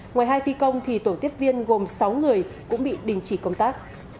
ngoài hai phi công tổ tiết viên gồm sáu người cũng bị đình chỉ công tác